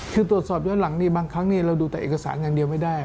คือตรวจสอบย้อนหลังนี่บางครั้งเราดูแต่เอกสารอย่างเดียวไม่ได้